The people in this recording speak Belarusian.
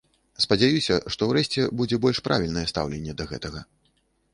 Спадзяюся, што ўрэшце будзе больш правільнае стаўленне да гэтага.